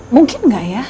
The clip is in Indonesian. mungkin gak ya